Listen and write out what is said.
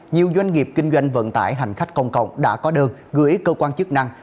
nhiều doanh nghiệp kinh doanh vận tải hành khách công cộng đã có đơn gửi cơ quan chức năng